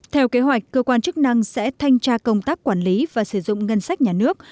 theo kế hoạch cơ quan chức năng sẽ thanh tra công tác quản lý và sử dụng ngân sách nhà nước